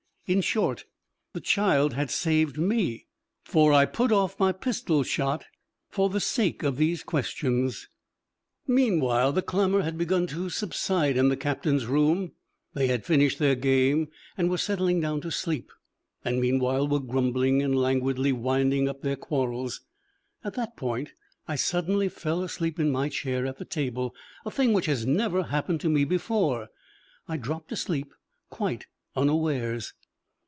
In short, the child had saved me, for I put off my pistol shot for the sake of these questions. Meanwhile the clamour had begun to subside in the captain's room: they had finished their game, were settling down to sleep, and meanwhile were grumbling and languidly winding up their quarrels. At that point I suddenly fell asleep in my chair at the table a thing which had never happened to me before. I dropped asleep quite unawares.